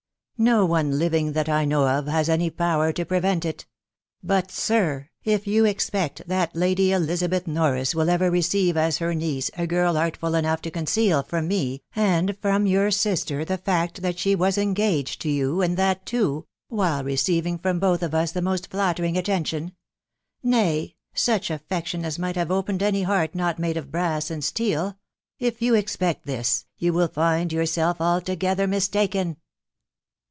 No one living that I know of has any power to prevent it. .•. But, sir, if you expect that Lady Elizabeth Norris will ever receive as her niece a girl artful enough to conceal from me and from your sister the fact that she was engaged to you, and that, too, while receiving from both of us the most flattering attention .... nay, such affection as might have opened any heart not made of brass and steel .... if you expect this, you will find yourself altogether mistaken."